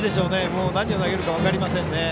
もう何を投げるか分かりませんね。